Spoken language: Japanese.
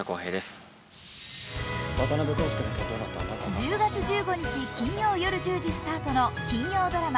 １０月１５日金曜夜１０時スタートの金曜ドラマ